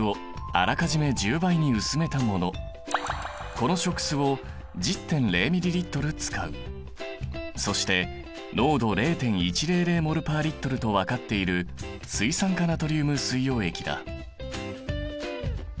この食酢をそして濃度０．１００ｍｏｌ／Ｌとわかっている水酸化ナトリウム水溶液だ。